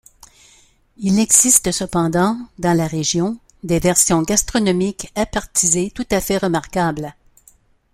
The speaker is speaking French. Il existe cependant, dans la région, des versions gastronomiques appertisées tout à fait remarquables.